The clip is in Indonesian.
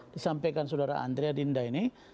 disampaikan saudara andri adinda ini